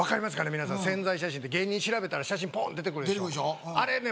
皆さん宣材写真って芸人調べたら写真ポーン出てくるでしょあれね